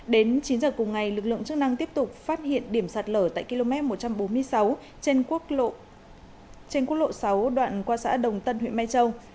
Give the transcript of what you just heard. đến chín giờ cùng ngày lực lượng chức năng tiếp tục phát hiện điểm sạt lở tại km một trăm bốn mươi sáu trên quốc lộ sáu đoạn qua xã đồng tân huyện mai châu